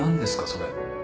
それ。